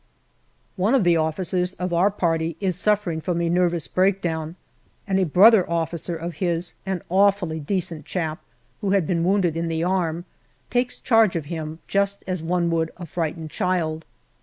One of the officers of our party is suffering from a nervous breakdown, and a brother officer of his, an awfully decent chap, who had been wounded in the arm, takes charge of him just as one would a frightened child.